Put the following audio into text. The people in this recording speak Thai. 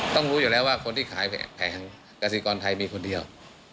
รู้อยู่แล้วว่าคนที่ขายแผงกษิกรไทยมีคนเดียว